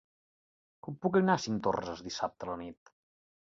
Com puc anar a Cinctorres dissabte a la nit?